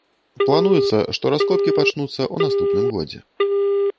Плануецца, што раскопкі пачнуцца ў наступным годзе.